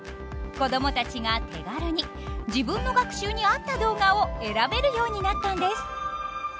子供たちが手軽に自分の学習に合った動画を選べるようになったんです。